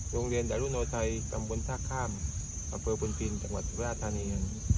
โรงเรียนดารุโนไทยกัมพลทักข้ามอำเวิร์ภูมิปีนจังหวัดสุราจที่นี้